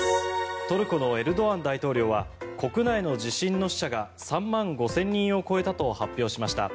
トルコのエルドアン大統領は国内の地震の死者が３万５０００人を超えたと発表しました。